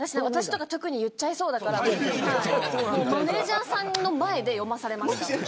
私とか特に言っちゃいそうだからマネジャーさんの前で読まされました。